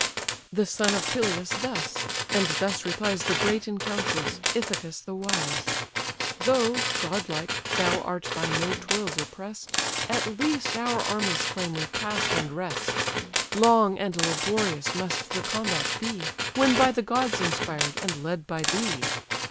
The son of Peleus thus; and thus replies The great in councils, Ithacus the wise: "Though, godlike, thou art by no toils oppress'd, At least our armies claim repast and rest: Long and laborious must the combat be, When by the gods inspired, and led by thee.